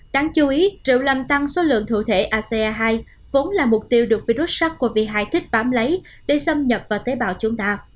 đáng chú ý rượu làm tăng số lượng thủ thể ase hai vốn là mục tiêu được virus sars cov hai thích bám lấy để xâm nhập vào tế bào chúng ta